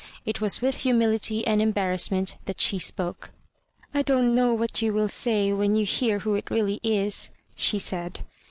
It was with humility and embarrassment that she spoke. "I don't know what you will say when you hear who it really is," she said.